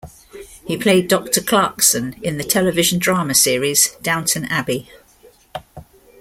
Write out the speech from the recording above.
He played Doctor Clarkson in the television drama series "Downton Abbey".